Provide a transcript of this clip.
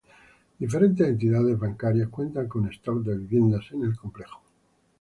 Diferentes entidades bancarias cuentan con stock de viviendas en el complejo.